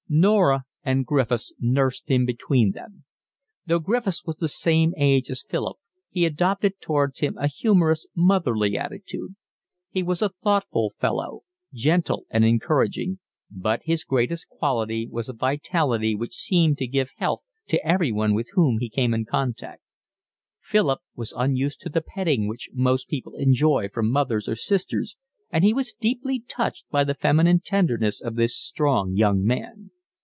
Norah and Griffiths nursed him between them. Though Griffiths was the same age as Philip he adopted towards him a humorous, motherly attitude. He was a thoughtful fellow, gentle and encouraging; but his greatest quality was a vitality which seemed to give health to everyone with whom he came in contact. Philip was unused to the petting which most people enjoy from mothers or sisters and he was deeply touched by the feminine tenderness of this strong young man.